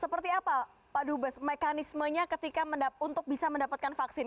seperti apa pak dubes mekanismenya ketika untuk bisa mendapatkan vaksin